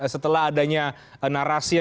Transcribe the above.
setelah adanya narasi yang